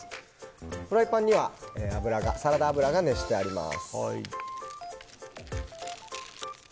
フライパンにはサラダ油が熱してあります。